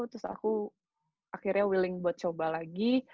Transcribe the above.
terus aku akhirnya willing buat coba lagi